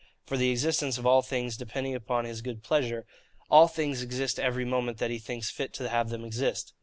For the existence of all things, depending upon his good pleasure, all things exist every moment that he thinks fit to have them exist.